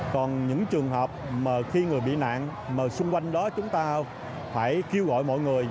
còn những trường hợp khi người bị nạn xung quanh đó chúng ta phải kêu gọi mọi người